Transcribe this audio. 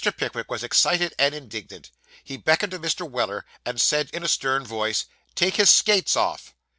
Pickwick was excited and indignant. He beckoned to Mr. Weller, and said in a stern voice, 'Take his skates off.